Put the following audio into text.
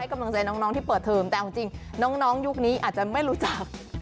กำลังใจน้องที่เปิดเทอมแต่เอาจริงน้องยุคนี้อาจจะไม่รู้จัก